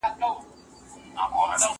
زه اجازه لرم چي واښه راوړم.